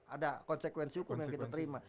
ada konsekuensi hukum yang kita terima